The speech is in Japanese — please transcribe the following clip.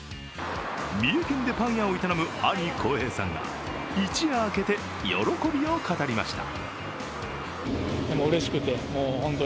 三重県でパン屋を営む兄・晃平さんが一夜明けて喜びを語りました。